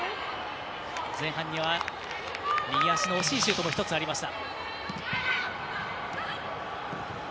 前半には右足の惜しいシュートも１つありました。